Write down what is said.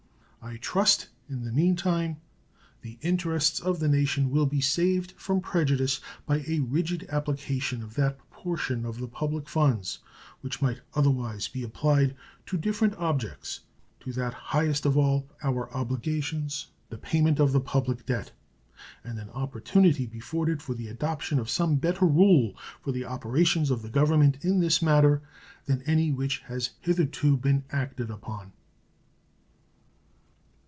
I trust, in the mean time, the interests of the nation will be saved from prejudice by a rigid application of that portion of the public funds which might otherwise be applied to different objects to that highest of all our obligations, the payment of the public debt, and an opportunity be afforded for the adoption of some better rule for the operations of the Government in this matter than any which has hitherto been acted upon.